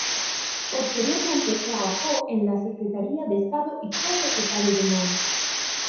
Posteriormente trabajó en la Secretaría de Estado y fue secretario de Mons.